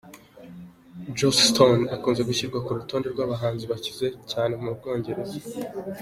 Joss Stone akunze gushyirwa ku rutonde rw'abahanzi bakize cyane mu Bwongereza.